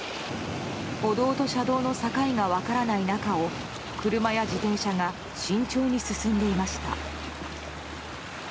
歩道と車道の境が分からない中を車や自転車が慎重に進んでいました。